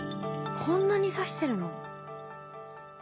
こんなに刺してるの？